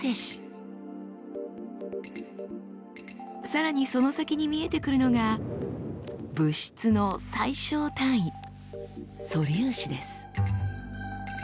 さらにその先に見えてくるのが物質の最小単位素粒子です。